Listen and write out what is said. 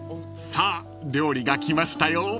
［さあ料理が来ましたよ］